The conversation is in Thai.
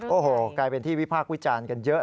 โอ้โหกลายเป็นที่วิพากษ์วิจารณ์กันเยอะ